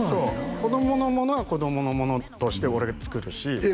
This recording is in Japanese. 子供のものは子供のものとして俺が作るしえっ？